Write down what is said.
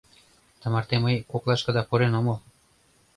Тымарте мый коклашкыда пурен омыл.